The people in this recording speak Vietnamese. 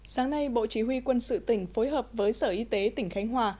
sáng nay bộ chỉ huy quân sự tỉnh phối hợp với sở y tế tỉnh khánh hòa